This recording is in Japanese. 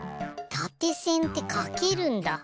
たてせんってかけるんだ。